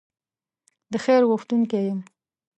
د خیر غوښتونکی یم.